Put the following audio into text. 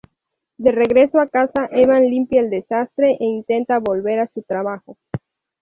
De regreso a casa, Evan limpia el desastre e intenta volver a su trabajo.